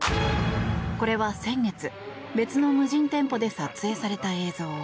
これは先月別の無人店舗で撮影された映像。